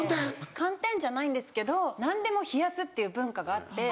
寒天じゃないんですけど何でも冷やすっていう文化があって。